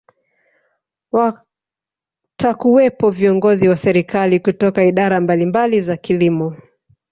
watakuwepo viongozi wa serikali kutoka idara mbalimbali za kilimo